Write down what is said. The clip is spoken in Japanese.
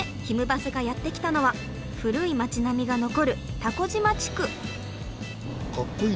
バスがやって来たのは古い街並みが残る蛸島地区。